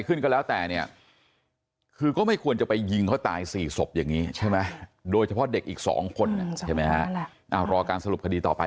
เขารู้อยู่กับใจเขารู้อยู่กับใจครับ